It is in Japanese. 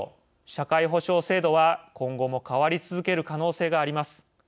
社会保障制度は今後も変わり続ける可能性があります。